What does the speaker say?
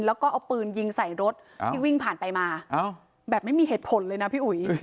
แล้วก็เอาปืนยิงใส่รถที่วิ่งผ่านไปมาแบบไม่มีเหตุผลเลยนะพี่อุ๋ย